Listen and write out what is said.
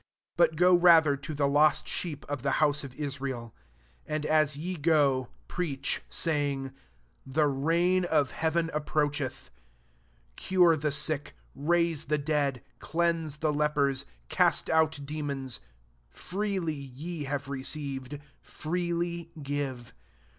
6 But go rather to the lost sheep of the house of Israel. 7 And as ye go, preach, saying, * The reign of Heaven ap froacheth.' 8 Cure the sick, raise the dead,] cleanse the le pers, cast out demons: freely ye have received, freely give.